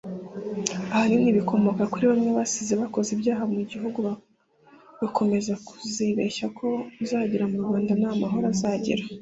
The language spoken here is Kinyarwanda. ahanini bikomoka kuri bamwe basize bakoze ibyaha mu gihugu bagakomeza kuzibeshya ko uzagera mu Rwanda nta mahoro azagira